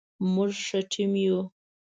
موږ ښه ټیم یو